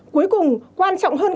cuối cùng quan trọng hơn là